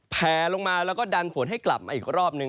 แผลลงมาแล้วก็ดันฝนให้กลับมาอีกรอบนึง